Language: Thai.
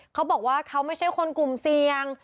เขาบอกว่าเขาไม่ใช่คนกลุ่มเสี่ยง